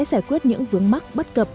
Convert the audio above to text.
giải quyết những vướng mắc bất cập